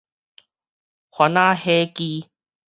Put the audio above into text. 番仔火枝